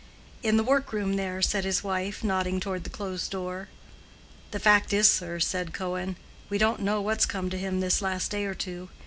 "In the workroom there," said his wife, nodding toward the closed door. "The fact is, sir," said Cohen, "we don't know what's come to him this last day or two.